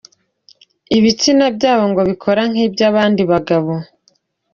Ibitsina byabo ngo bikora nk’iby’abandi bagabo.